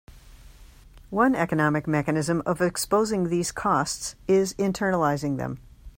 One economic mechanism of exposing these costs is internalizing them.